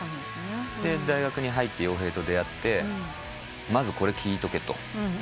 で大学に入って洋平と出会って「まずこれ聴いとけ。